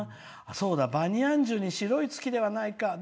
そうだ「バニヤン樹に白い月」ではないかと。